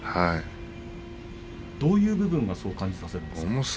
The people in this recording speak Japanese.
どういう部分がそう感じさせますか。